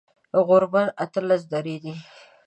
غوربند اتلس درې دی